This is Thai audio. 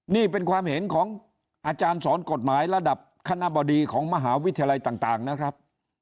นี่เป็นความเห็นของอาจารย์สอนกฎหมายระดับคณะบดีของมหาวิทยาลัยต่างนะครับ